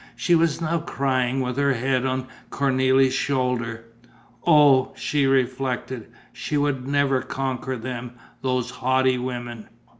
She was now crying, with her head on Cornélie's shoulder: oh, she reflected, she would never conquer them, those haughty women!